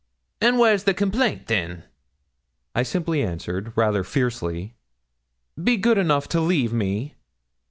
and where's the complaint then?' I simply answered, rather fiercely, 'Be good enough to leave me.'